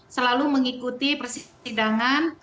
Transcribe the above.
selalu mengikuti persidangan